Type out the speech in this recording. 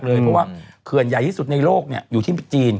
เพราะว่าเขื่อนใหญ่ที่สุดในโลกอยู่ที่จีน